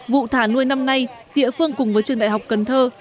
vụ thả nuôi năm nay địa phương cùng với trường đại học cần thơ